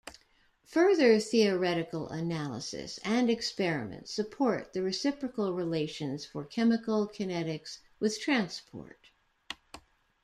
Further theoretical analysis and experiments support the reciprocal relations for chemical kinetics with transport.